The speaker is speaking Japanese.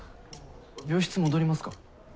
病室戻りますか？